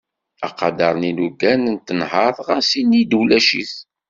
Aqader n yilugan n tenhert ɣas ini-d ulac-it.